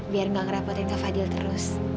biar gak ngerapotin kak fadil terus